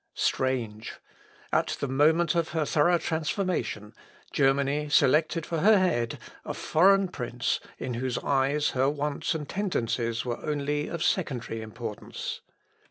Strange! at the moment of her thorough transformation, Germany selected for her head a foreign prince in whose eyes her wants and tendencies were only of secondary importance.